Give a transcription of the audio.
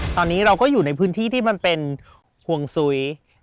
ตอนนี้เราก็อยู่ในพื้นที่ที่มันเป็นห่วงซุ้ย